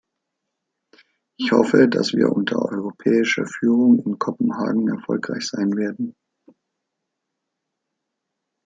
Ich hoffe, dass wir unter europäischer Führung in Kopenhagen erfolgreich sein werden.